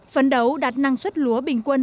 phấn đấu đạt năng suất lúa bình quân